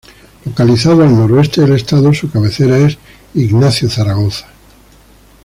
Localizado al noroeste del estado, su cabecera es Ignacio Zaragoza.